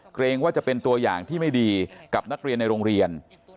เกรงว่าจะเป็นตัวอย่างที่ไม่ดีกับนักเรียนในโรงเรียน